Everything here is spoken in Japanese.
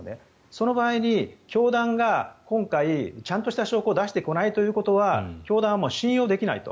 その場合に教団が今回、ちゃんとした証拠を出してこないということは教団は信用できないと。